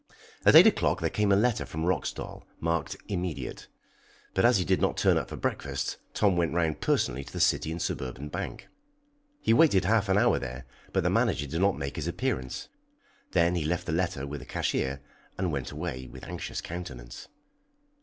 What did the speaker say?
At eight o'clock there came a letter for Roxdal, marked "immediate," but as he did not turn up for breakfast, Tom went round personally to the City and Suburban Bank. He waited half an hour there, but the manager did not make his appearance. Then he left the letter with the cashier and went away with anxious countenance.